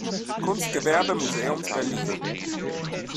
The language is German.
Kunstgewerbemuseums Berlin.